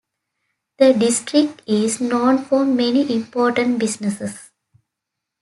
The district is known for many important businesses.